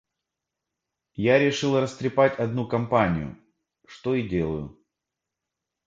Я решил растрепать одну компанию, что и делаю.